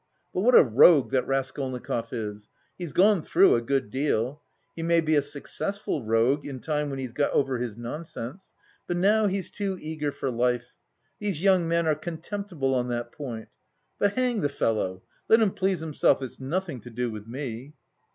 But what a rogue that Raskolnikov is! He's gone through a good deal. He may be a successful rogue in time when he's got over his nonsense. But now he's too eager for life. These young men are contemptible on that point. But, hang the fellow! Let him please himself, it's nothing to do with me."